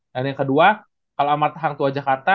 dan yang kedua kalau amartahang tua jakarta